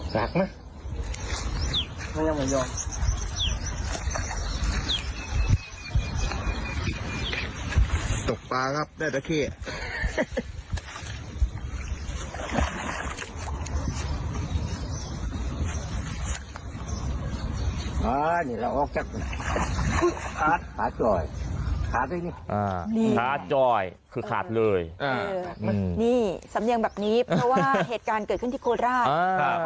ขานี่เราออกจากเลยนี่สำเนียงแบบนี้เพราะว่าเหตุการณ์เกิดขึ้นที่โคราช